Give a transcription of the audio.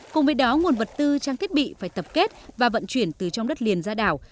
cùng với đó nguồn vật tư trang thiết bị phải tập kết và vận chuyển từ trong đất liền ra đảo